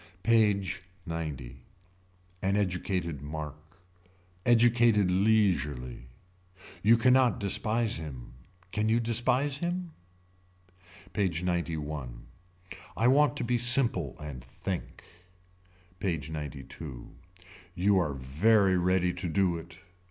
PAGE XC. An educated mark. Educated leisurely. You can not despise him. Can you despise him. PAGE XCI. I want to be simple and think. PAGE XCII. You are very ready to do it.